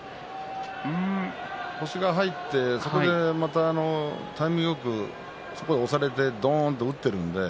腰が入って、そこでまたタイミングよく押されてどーんと打っているので。